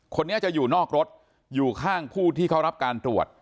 คนนี้จะอยู่นอกรถอยู่ข้างผู้ที่เขารับการตรวจ